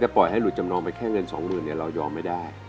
ปล่อยให้หลุดจำนองไปแค่เงินสองหมื่นเรายอมไม่ได้